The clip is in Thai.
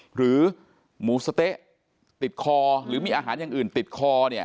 หรือหมูสะเต๊ะติดคอหรือมีอาหารอย่างอื่นติดคอเนี่ย